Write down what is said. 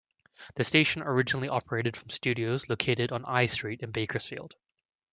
The station originally operated from studios located on Eye Street in Bakersfield.